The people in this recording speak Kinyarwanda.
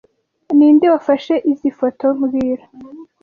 Ninde wafashe izoi foto mbwira